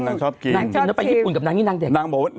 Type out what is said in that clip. นางชอบชิมแล้วไปญี่ปุ่นกับนางนี่นางเด็ก